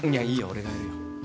俺がやるよ。